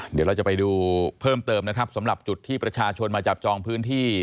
เดี๋ยวเราจะไปดูเพิ่มเติมนะครับสำหรับจุดที่ประชาชนมาจับจองพื้นที่